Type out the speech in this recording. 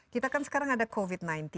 kita kan sekarang ada covid sembilan belas